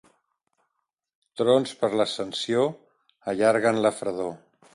Trons per l'Ascensió allarguen la fredor.